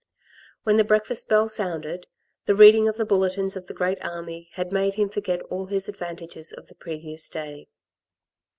When the breakfast bell sounded, the reading of the Bulletins of the Great Army had made him forget all his advantages of the previous day.